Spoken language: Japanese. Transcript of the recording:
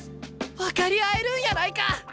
分かり合えるんやないか！